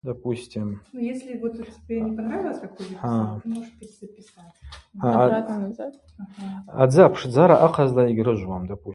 Адзы апшдзара ахъазла йгьрыжвуам.